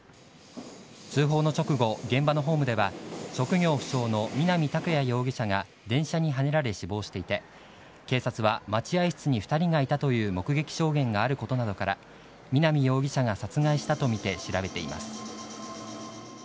通報の直後、現場のホームでは、職業不詳の南拓哉容疑者が電車にはねられ死亡していて、警察は待合室に２人がいたという目撃証言があることなどから、南容疑者が殺害したと見て調べています。